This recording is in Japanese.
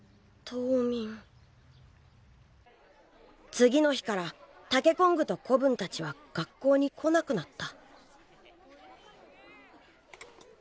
次の日からタケコングと子分たちは学校に来なくなった。